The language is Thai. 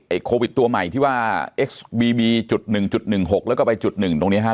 ไอโควิดตัวใหม่ที่ว่าเอ็กซบีบีจุดหนึ่งจุดหนึ่งหกแล้วก็ไปจุดหนึ่งตรงนี้ฮะ